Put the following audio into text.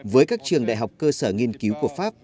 với các trường đại học cơ sở nghiên cứu của pháp